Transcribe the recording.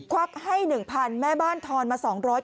วักให้๑๐๐แม่บ้านทอนมา๒๐๐บาท